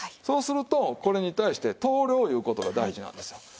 そうするとこれに対して等量いう事が大事なんですよ。